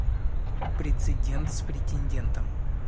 Прецедент с претендентом.